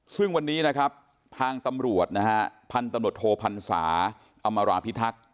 ซึ่งวันนี้ทางตำรวจพันธนโทพันศาอำราพิทักษ์